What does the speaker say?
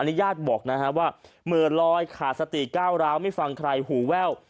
อนุญาตบอกนะครับว่ามือลอยขาดสติเก้าร้าวไม่ฟังใครหูแว่ว